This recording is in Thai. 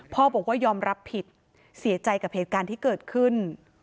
พ่อบอกว่ายอมรับผิดเสียใจกับเหตุการณ์ที่เกิดขึ้น